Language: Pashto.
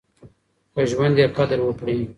په ژوند يې قدر وکړئ.